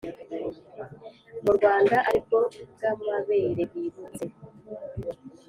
mu Rwanda ari bwo bwmabere bibutse